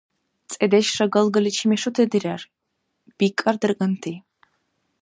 ЦӀедешра галгаличи мешути дирар, бикӀар дарганти.